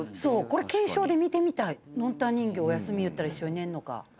これ検証で見てみたいノンタン人形「おやすみ」言ったら一緒に寝んのか。